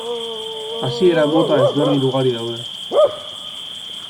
Hasiera mota ezberdin ugari daude.